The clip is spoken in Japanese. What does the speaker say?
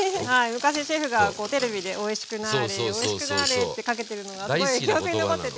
昔シェフがテレビで「おいしくなーれおいしくなーれ」ってかけてるのがすごい記憶に残ってて。